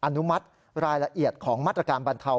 อนุมัติรายละเอียดของมาตรการบรรเทา